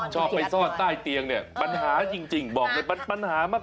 ชอบไปซ่อนใต้เตียงเนี่ยปัญหาจริงบอกเลยมันปัญหามาก